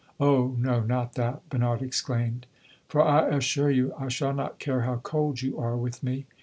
"Oh no, not that!" Bernard exclaimed; "for I assure you I shall not care how cold you are with me."